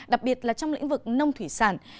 đặc biệt là trong lĩnh vực nông thủy sản